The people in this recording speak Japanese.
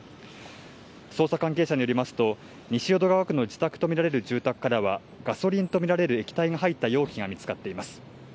捜査関係者によりますと、西淀川区の自宅と見られる住宅からは、ガソリンと見られる液体が入った容器が見つかっています。